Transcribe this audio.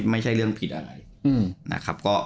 ไม่ใช่เรื่องผิดอะไร